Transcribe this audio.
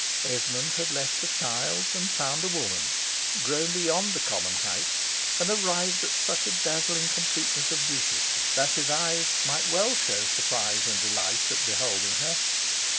Esmond had left a child and found a woman, grown beyond the common height; and arrived at such a dazzling completeness of beauty, that his eyes might well show surprise and delight at beholding her.